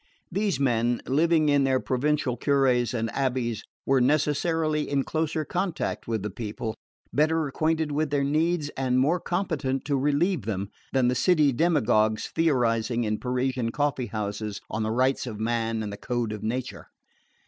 These men, living in their provincial cures or abbeys, were necessarily in closer contact with the people, better acquainted with their needs and more competent to relieve them, than the city demagogues theorising in Parisian coffee houses on the Rights of Man and the Code of Nature.